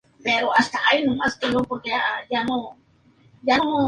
Chevron dice que no tuvo nada que ver con el video.